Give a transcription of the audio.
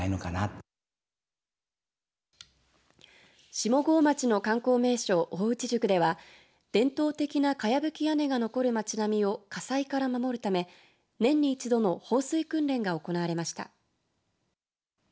下郷町の観光名所、大内宿では伝統的なかやぶき屋根が残る町並みを火災から守るため年に一度の放水訓練が行われました。